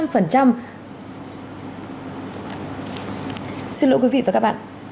xin lỗi quý vị và các bạn